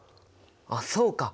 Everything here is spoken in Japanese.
あっそうか！